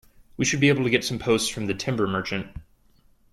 We should be able to get some posts from the timber merchant